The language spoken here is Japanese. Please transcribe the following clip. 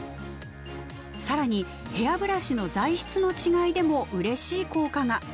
更にヘアブラシの材質の違いでもうれしい効果が。